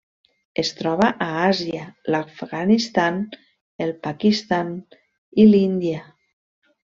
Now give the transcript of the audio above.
Es troba a Àsia: l'Afganistan, el Pakistan i l'Índia.